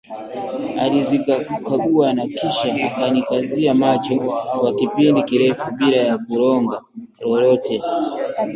Alizikagua na kisha akanikazia macho kwa kipindi kirefu bila ya kulonga lolote